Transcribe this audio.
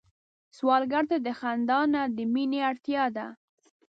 سوالګر ته د خندا نه، د مينه اړتيا ده